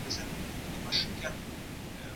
ماشوم چي تمرین کوي بریالی کېږي.